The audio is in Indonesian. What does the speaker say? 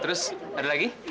terus ada lagi